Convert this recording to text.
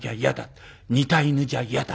似た犬じゃ嫌だ。